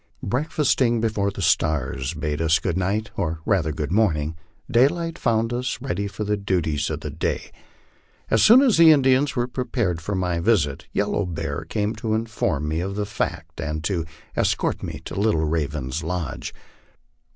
Breakfasting before the stars bade us good night, or rather good morning, daylight found us ready for the duties of the day. As soon as the Indians were prepared for my visit, Yellow Bear canie to inform me of the fact, and to 222 MY LIFE ON THE PLAINS. escort me to Little Raven's lodge.